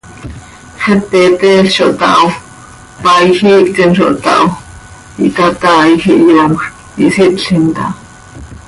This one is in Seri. Xepe iteel zo htaao, paaij iictim zo htaho, ihtataaij, ihyoomjc, ihsitlim taa.